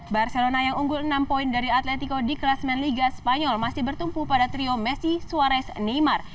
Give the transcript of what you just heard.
barcelona yang unggul enam poin dari atletico di kelas men liga spanyol masih bertumpu pada trio messi suarez neymar